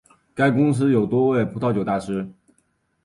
该公司有多位葡萄酒大师。